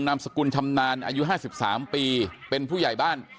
นามสกุลชำนาญอายุ๕๓ปีเป็นผู้ใหญ่บ้าน